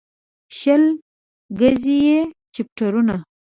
شل ګزي يې چپټرونه